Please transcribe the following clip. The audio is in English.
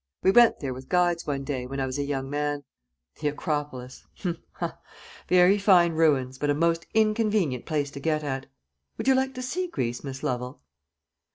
We went there with guides one day, when I was a young man. The Acropolis hum! ha! very fine ruins, but a most inconvenient place to get at. Would you like to see Greece, Miss Lovel?"